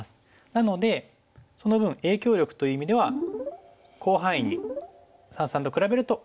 なのでその分影響力という意味では広範囲に三々と比べると影響力を与えることができます。